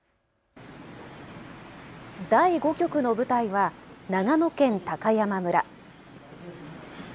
第５局の舞台は長野県高山村。